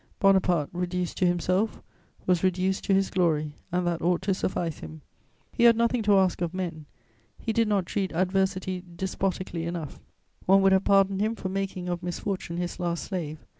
Bonaparte, reduced to himself, was reduced to his glory, and that ought to suffice him: he had nothing to ask of men; he did not treat adversity despotically enough; one would have pardoned him for making of misfortune his last slave.